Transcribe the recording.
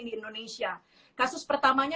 di indonesia kasus pertamanya